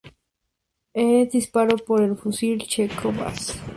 Es disparado por el fusil checo Vz.